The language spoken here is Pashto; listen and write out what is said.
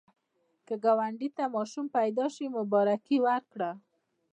که ګاونډي ته ماشوم پیدا شي، مبارکي ورکړه